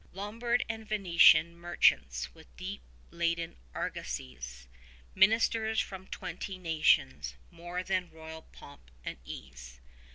Lombard and Venetian merchants with deep laden argosies; Ministers from twenty nations; more than royal pomp and ease.